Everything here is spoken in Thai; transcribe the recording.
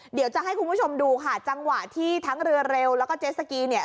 เดี๋ยวจะให้คุณผู้ชมดูค่ะจังหวะที่ทั้งเรือเร็วแล้วก็เจสสกีเนี่ย